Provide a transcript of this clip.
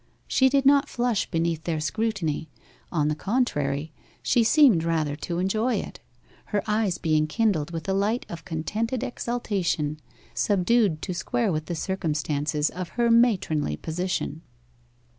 She did not flush beneath their scrutiny; on the contrary, she seemed rather to enjoy it, her eyes being kindled with a light of contented exultation, subdued to square with the circumstances of her matronly position.